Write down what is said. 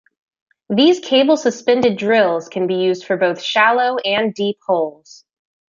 These cable-suspended drills can be used for both shallow and deep holes.